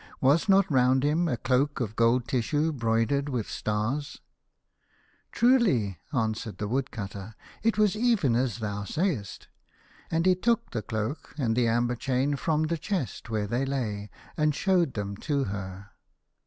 Was not round him a cloak of gold tissue broidered with stars ?"" Truly," answered the Woodcutter, " it was even as thou sayest." And he took the cloak and the amber chain from the chest where they lay, and showed them to her.